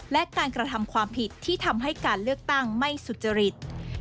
และการกระทำความผิดที่ทำให้การเลือกตั้งไม่สุจริต